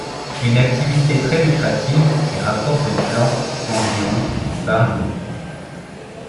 Une activité très lucrative qui rapporte au clan environ par jour.